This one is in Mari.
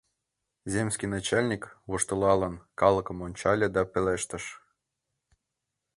Земский начальник, воштылалын, калыкым ончале да пелештыш: